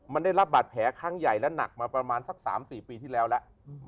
มันได้รับบาดแผลครั้งใหญ่และหนักมาประมาณสัก๓๔ปีที่แล้วแล้ว